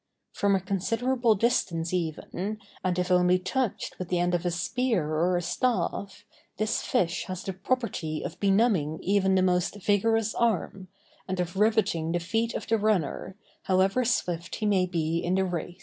From a considerable distance even, and if only touched with the end of a spear or a staff, this fish has the property of benumbing even the most vigorous arm, and of riveting the feet of the runner, however swift he may be in the race.